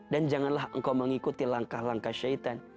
dan janganlah engkau mengikuti langkah langkah syaitan